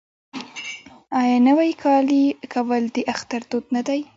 آیا نوی کالی کول د اختر دود نه دی؟